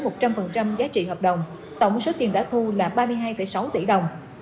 đã thu tiền từ chín mươi đến một trăm linh giá trị hợp đồng tổng số tiền đã thu là ba mươi hai sáu tỷ đồng